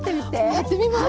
やってみます！